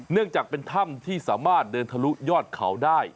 เนื่องจากเป็นถ้ำที่สามารถเดินทะลุยอดเขาได้